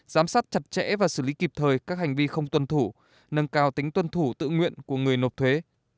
giám sát chặt chẽ và xử lý kịp thời các hành vi không tuân thủ nâng cao tính tuân thủ tự nguyện của người nộp thuế